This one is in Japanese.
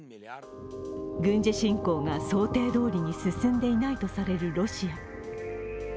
軍事侵攻が想定どおりに進んでいないとされるロシア。